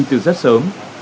từ rất sớm